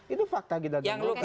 itu fakta kita temukan